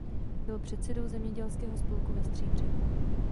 Byl předsedou zemědělského spolku ve Stříbře.